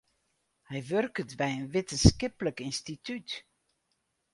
Hy wurket by in wittenskiplik ynstitút.